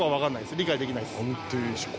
理解できないです。